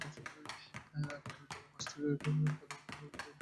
আগামী জুলাই মাস থেকে সুষম খাদ্য বণ্টন কর্মসূচি হাতে নেওয়া হবে।